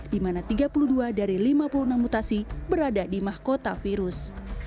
di mana tiga puluh dua dari lima puluh enam mutasi berada di mahkota virus